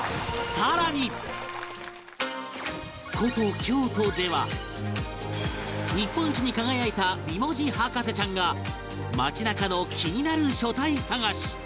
古都京都では日本一に輝いた美文字博士ちゃんが街なかの気になる書体探し！